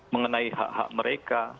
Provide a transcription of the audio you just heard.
mengenai hak hak mereka